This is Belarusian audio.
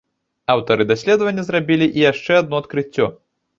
Аўтары даследавання зрабілі і яшчэ адно адкрыццё.